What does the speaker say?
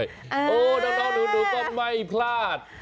โอ้โฮดังนุ้นก็ไม่พลาด